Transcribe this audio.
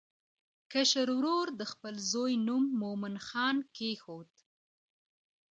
کشر ورور د خپل زوی نوم مومن خان کېښود.